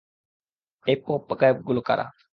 এই পপ গায়কগুলো কারা?